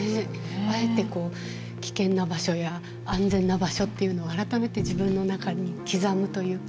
あえてこう危険な場所や安全な場所っていうのを改めて自分の中に刻むというか。